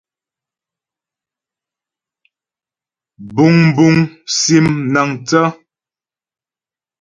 Buŋbuŋ sim mnaəŋthə́.